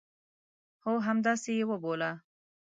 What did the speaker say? هو، همداسي یې وبوله